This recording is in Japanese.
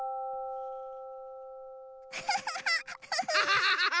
ハハハハハ！